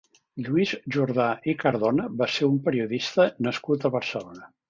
Lluís Jordà i Cardona va ser un periodista nascut a Barcelona.